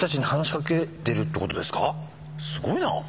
すごいな！